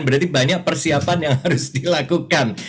berarti banyak persiapan yang harus dilakukan